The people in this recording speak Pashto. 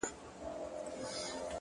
پرمختګ د دوام غوښتنه کوي؛